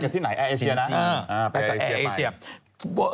ที่ไหนแอร์เอเชียนะไปกับแอร์เอเชีย